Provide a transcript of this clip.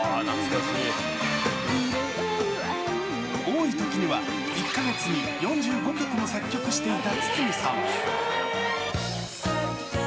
多いときには１か月に４５曲も作曲していた筒美さん。